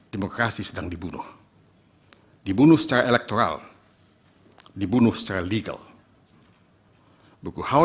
demokrasi sedang dibunuh dibunuh secara elektoral dibunuh secara legal